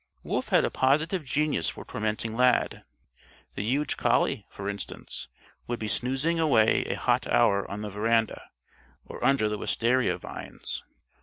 Wolf had a positive genius for tormenting Lad. The huge collie, for instance, would be snoozing away a hot hour on the veranda or under the wistaria vines.